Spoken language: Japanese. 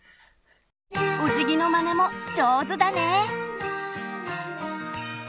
おじぎのまねも上手だね！